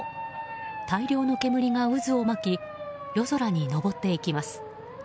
大量の煙が渦を巻き夜空に上っていきます。